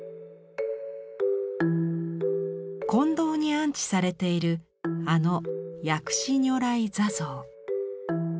金堂に安置されているあの薬師如来坐像。